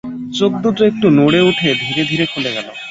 চোখদুটো একটু নড়ে উঠে ধীরে ধীরে খুলে গেল।